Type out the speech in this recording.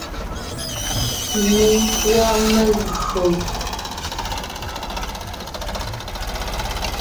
Menkʉ̀a megÿò.